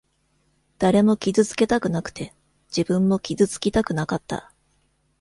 誰も傷つけたくなくて、自分も傷つきたくなかった。